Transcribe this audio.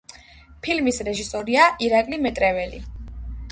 ფილმის რეჟისორია ირაკლი მეტრეველი.